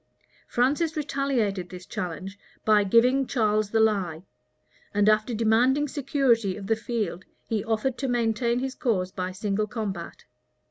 Francis retaliated this challenge, by giving Charles the lie; and, after demanding security of the field, he offered to maintain his cause by single combat.